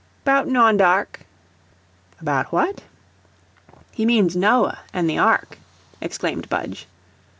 "'Bout Nawndeark." "About WHAT?" "He means Noah an' the ark," exclaimed Budge.